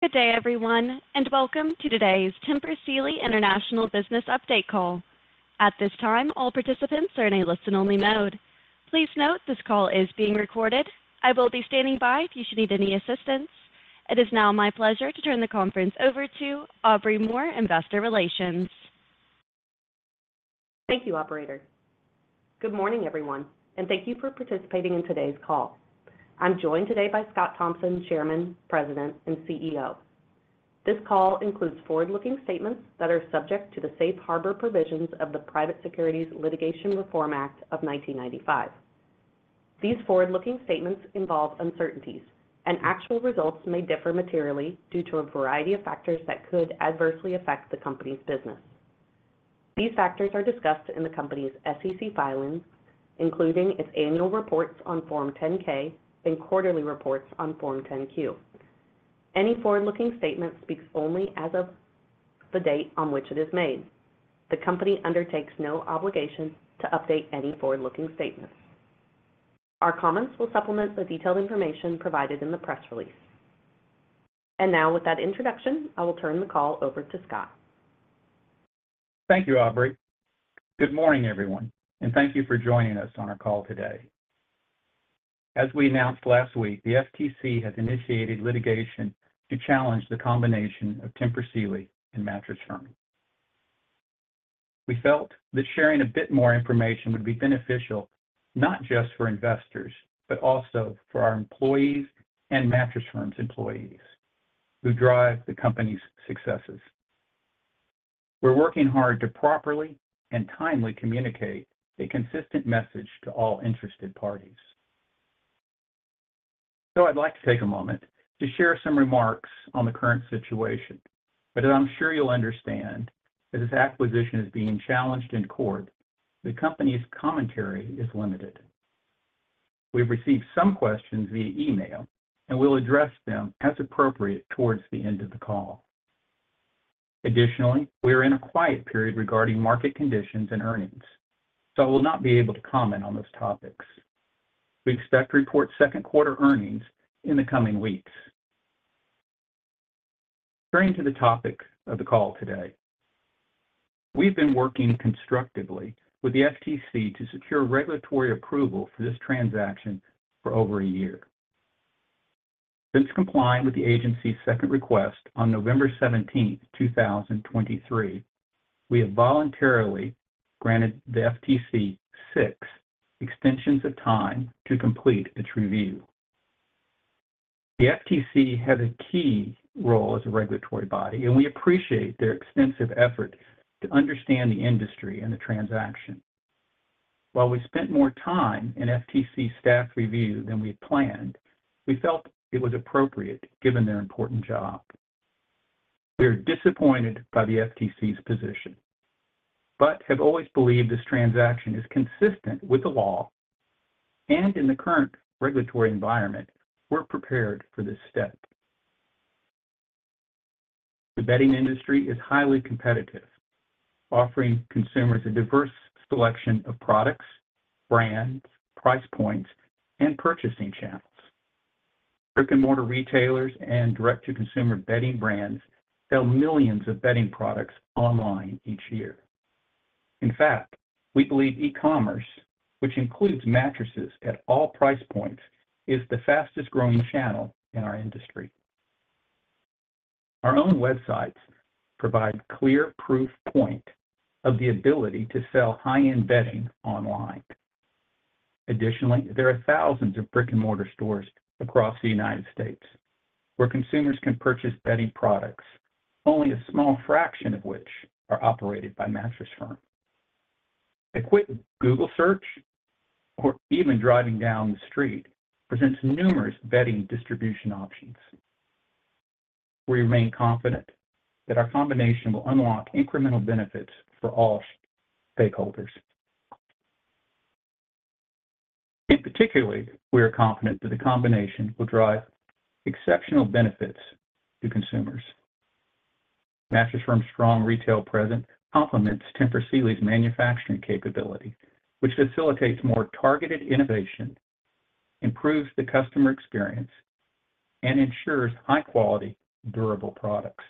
Good day, everyone, and welcome to today's Tempur Sealy International Business Update call. At this time, all participants are in a listen-only mode. Please note, this call is being recorded. I will be standing by if you should need any assistance. It is now my pleasure to turn the conference over to Aubrey Moore, Investor Relations. Thank you, operator. Good morning, everyone, and thank you for participating in today's call. I'm joined today by Scott Thompson, Chairman, President, and CEO. This call includes forward-looking statements that are subject to the safe harbor provisions of the Private Securities Litigation Reform Act of 1995. These forward-looking statements involve uncertainties, and actual results may differ materially due to a variety of factors that could adversely affect the company's business. These factors are discussed in the company's SEC filings, including its annual reports on Form 10-K and quarterly reports on Form 10-Q. Any forward-looking statement speaks only as of the date on which it is made. The company undertakes no obligation to update any forward-looking statements. Our comments will supplement the detailed information provided in the press release. And now, with that introduction, I will turn the call over to Scott. Thank you, Aubrey. Good morning, everyone, and thank you for joining us on our call today. As we announced last week, the FTC has initiated litigation to challenge the combination of Tempur Sealy and Mattress Firm. We felt that sharing a bit more information would be beneficial, not just for investors, but also for our employees and Mattress Firm's employees, who drive the company's successes. We're working hard to properly and timely communicate a consistent message to all interested parties. I'd like to take a moment to share some remarks on the current situation, but as I'm sure you'll understand that this acquisition is being challenged in court, the company's commentary is limited. We've received some questions via email, and we'll address them as appropriate towards the end of the call. Additionally, we are in a quiet period regarding market conditions and earnings, so I will not be able to comment on those topics. We expect to report second quarter earnings in the coming weeks. Turning to the topic of the call today. We've been working constructively with the FTC to secure regulatory approval for this transaction for over a year. Since complying with the agency's Second request on November seventeenth, 2023, we have voluntarily granted the FTC six extensions of time to complete its review. The FTC has a key role as a regulatory body, and we appreciate their extensive effort to understand the industry and the transaction. While we spent more time in FTC staff review than we planned, we felt it was appropriate given their important job. We are disappointed by the FTC's position, but have always believed this transaction is consistent with the law, and in the current regulatory environment, we're prepared for this step. The bedding industry is highly competitive, offering consumers a diverse selection of products, brands, price points, and purchasing channels. Brick-and-mortar retailers and direct-to-consumer bedding brands sell millions of bedding products online each year. In fact, we believe e-commerce, which includes mattresses at all price points, is the fastest-growing channel in our industry. Our own websites provide clear proof point of the ability to sell high-end bedding online. Additionally, there are thousands of brick-and-mortar stores across the United States where consumers can purchase bedding products, only a small fraction of which are operated by Mattress Firm. A quick Google search or even driving down the street presents numerous bedding distribution options. We remain confident that our combination will unlock incremental benefits for all stakeholders. In particular, we are confident that the combination will drive exceptional benefits to consumers. Mattress Firm's strong retail presence complements Tempur Sealy's manufacturing capability, which facilitates more targeted innovation, improves the customer experience, and ensures high quality, durable products.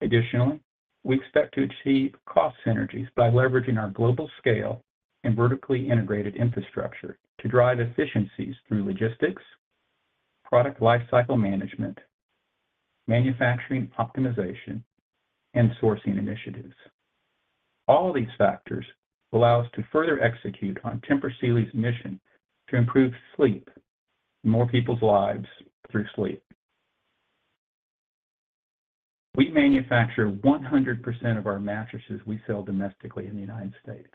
Additionally, we expect to achieve cost synergies by leveraging our global scale and vertically integrated infrastructure to drive efficiencies through logistics, product lifecycle management, manufacturing optimization, and sourcing initiatives. All of these factors allow us to further execute on Tempur Sealy's mission to improve sleep for more people's lives through sleep. We manufacture 100% of our mattresses we sell domestically in the United States.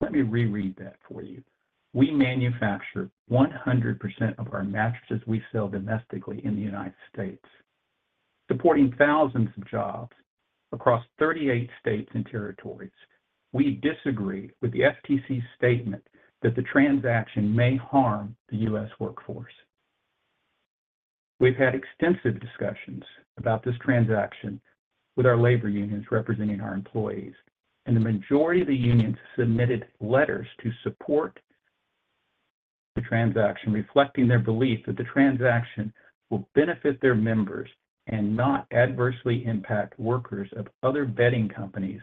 Let me reread that for you. We manufacture 100% of our mattresses we sell domestically in the United States, supporting thousands of jobs across 38 states and territories. We disagree with the FTC's statement that the transaction may harm the U.S. workforce. We've had extensive discussions about this transaction with our labor unions representing our employees, and the majority of the unions submitted letters to support the transaction, reflecting their belief that the transaction will benefit their members and not adversely impact workers of other bedding companies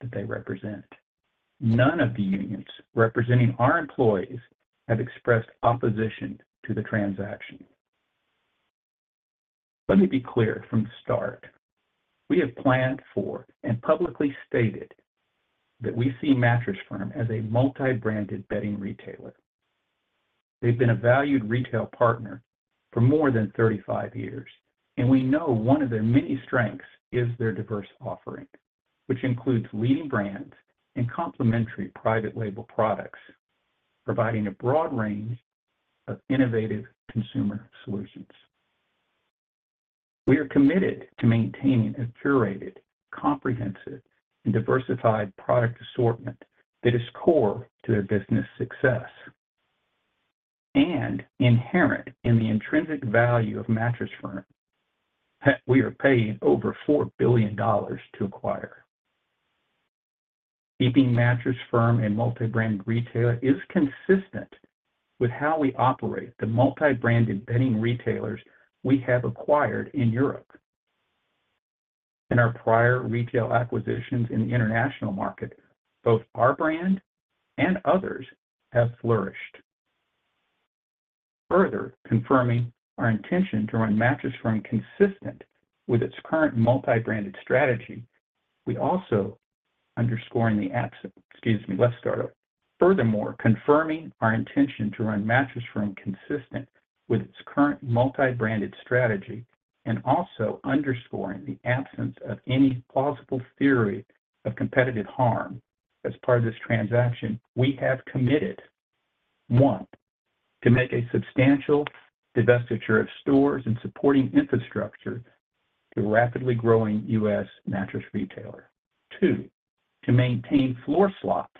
that they represent. None of the unions representing our employees have expressed opposition to the transaction. Let me be clear from the start, we have planned for and publicly stated that we see Mattress Firm as a multi-branded bedding retailer. They've been a valued retail partner for more than 35 years, and we know one of their many strengths is their diverse offering, which includes leading brands and complementary private label products, providing a broad range of innovative consumer solutions. We are committed to maintaining a curated, comprehensive, and diversified product assortment that is core to their business success, and inherent in the intrinsic value of Mattress Firm, that we are paying over $4 billion to acquire. Keeping Mattress Firm a multi-brand retailer is consistent with how we operate the multi-branded bedding retailers we have acquired in Europe. In our prior retail acquisitions in the international market, both our brand and others have flourished. Furthermore, confirming our intention to run Mattress Firm consistent with its current multi-branded strategy and also underscoring the absence of any plausible theory of competitive harm as part of this transaction, we have committed, one, to make a substantial divestiture of stores and supporting infrastructure to rapidly growing U.S. mattress retailer. 2, to maintain floor slots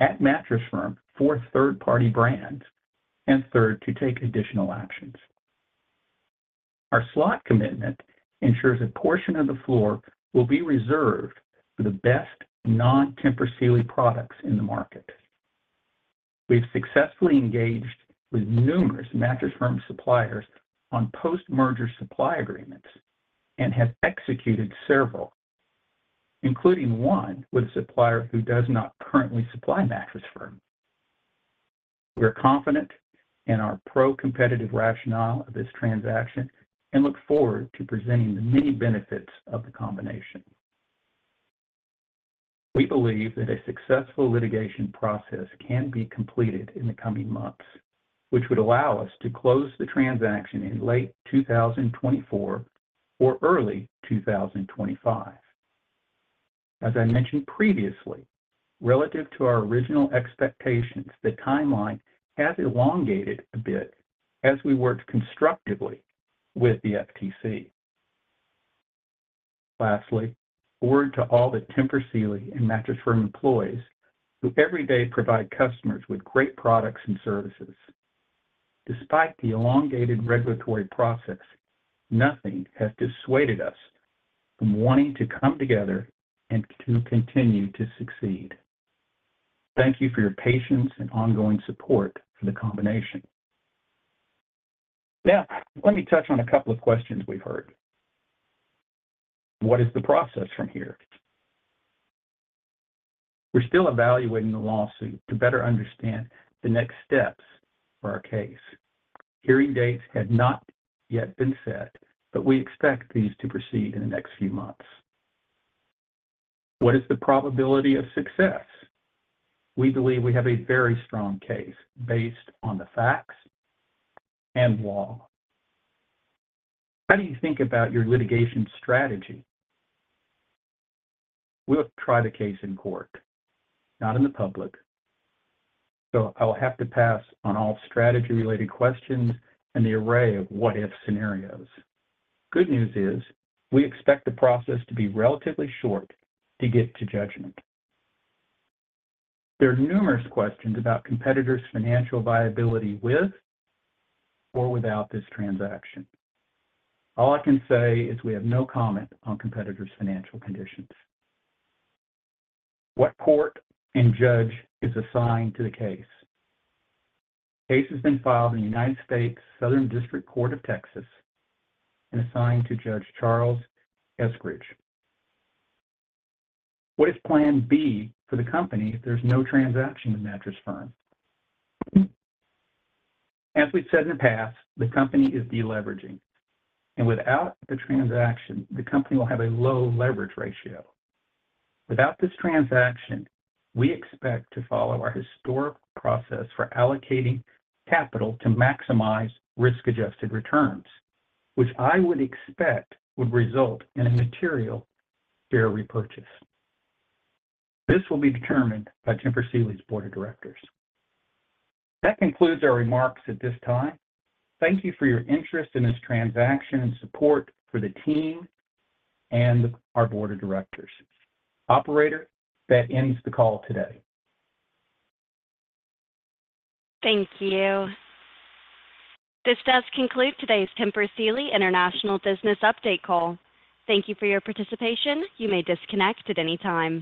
at Mattress Firm for third-party brands. Third, to take additional actions. Our slot commitment ensures a portion of the floor will be reserved for the best non-Tempur Sealy products in the market. We've successfully engaged with numerous Mattress Firm suppliers on post-merger supply agreements and have executed several, including one with a supplier who does not currently supply Mattress Firm. We are confident in our pro-competitive rationale of this transaction and look forward to presenting the many benefits of the combination. We believe that a successful litigation process can be completed in the coming months, which would allow us to close the transaction in late 2024 or early 2025. As I mentioned previously, relative to our original expectations, the timeline has elongated a bit as we worked constructively with the FTC. Lastly, forward to all the Tempur Sealy and Mattress Firm employees, who every day provide customers with great products and services. Despite the elongated regulatory process, nothing has dissuaded us from wanting to come together and to continue to succeed. Thank you for your patience and ongoing support for the combination. Now, let me touch on a couple of questions we've heard. What is the process from here? We're still evaluating the lawsuit to better understand the next steps for our case. Hearing dates have not yet been set, but we expect these to proceed in the next few months. What is the probability of success? We believe we have a very strong case based on the facts and law. How do you think about your litigation strategy? We'll try the case in court, not in the public, so I will have to pass on all strategy-related questions and the array of what-if scenarios. Good news is, we expect the process to be relatively short to get to judgment. There are numerous questions about competitors' financial viability with or without this transaction. All I can say is we have no comment on competitors' financial conditions. What court and judge is assigned to the case? Case has been filed in the United States District Court for the Southern District of Texas and assigned to Judge Charles Eskridge. What is plan B for the company if there's no transaction in Mattress Firm? As we've said in the past, the company is deleveraging, and without the transaction, the company will have a low leverage ratio. Without this transaction, we expect to follow our historic process for allocating capital to maximize risk-adjusted returns, which I would expect would result in a material share repurchase. This will be determined by Tempur Sealy's board of directors. That concludes our remarks at this time. Thank you for your interest in this transaction and support for the team and our board of directors. Operator, that ends the call today. Thank you. This does conclude today's Tempur Sealy International Business Update call. Thank you for your participation. You may disconnect at any time.